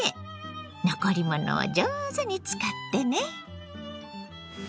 残り物を上手に使ってね。